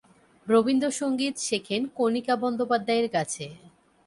রবীন্দ্রসঙ্গীত শেখেন কণিকা বন্দ্যোপাধ্যায়ের কাছে।